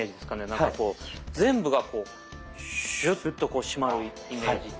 なんかこう全部がこうシュッと締まるイメージというか。